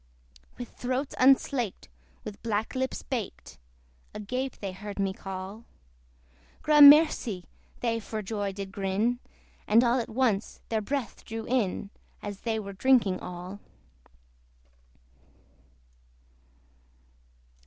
With throats unslaked, with black lips baked, Agape they heard me call: Gramercy! they for joy did grin, And all at once their breath drew in, As they were drinking all.